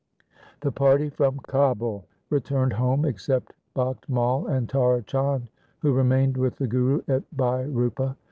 The party from Kabul returned home, except Bakht Mai and Tara Chand, who remained with the Guru at Bhai Rupa.